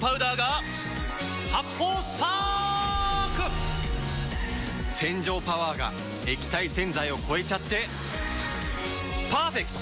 発泡スパーク‼洗浄パワーが液体洗剤を超えちゃってパーフェクト！